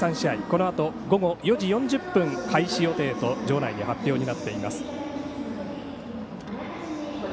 このあと午後４時４０分開始予定と場内に発表になっています。